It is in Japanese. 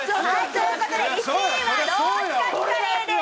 という事で１位はロースカツカレーです。